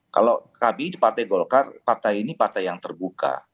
kalau kami di partai golkar partai ini partai yang terbuka